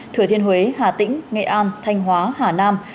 thừa thiên huế hà tĩnh nghệ an thanh hóa hà nam